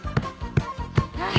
はい！